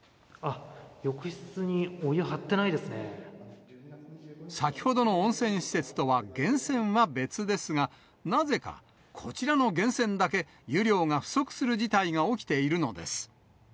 あっ、先ほどの温泉施設とは源泉は別ですが、なぜかこちらの源泉だけ湯量が不足する事態が起きているのです。